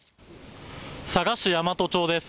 佐賀市大和町です。